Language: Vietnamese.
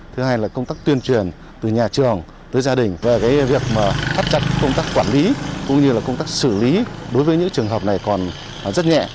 thứ hai là công tác tuyên truyền từ nhà trường tới gia đình và việc phát trắc công tác quản lý cũng như công tác xử lý đối với những trường hợp này còn rất nhẹ